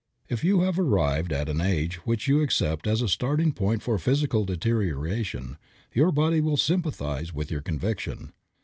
If you have arrived at an age which you accept as a starting point for physical deterioration, your body will sympathize with your conviction.